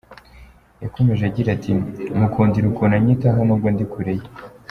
Yakomeje agira ati” Mukundira ukuntu anyitaho n’ubwo ndi kure ye.